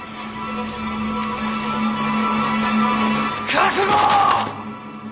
覚悟！